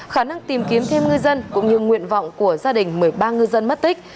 khả năng tìm kiếm thêm ngư dân cũng như nguyện vọng của gia đình một mươi ba ngư dân mất tích